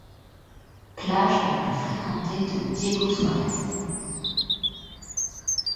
Plage la plus fréquentée de Diégo-suarez.